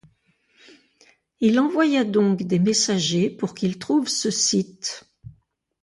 Il envoya donc des messagers pour qu'ils trouvent ce site.